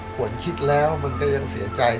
ขวัญคิดแล้วมันก็ยังเสียใจ